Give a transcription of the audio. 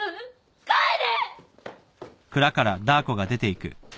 帰れ！